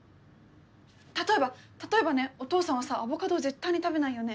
例えば例えばねお父さんはさアボカドを絶対に食べないよね？